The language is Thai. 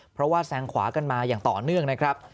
เพราะว่าแซงขวากันมาอย่างต่อเนื่องนะครับ